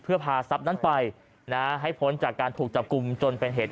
เพื่อพาทรัพย์นั้นไปนะให้พ้นจากการถูกจับกลุ่มจนเป็นเหตุ